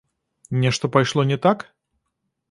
Нешта пайшло не так?